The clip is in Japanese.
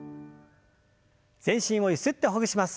全身をゆすってほぐします。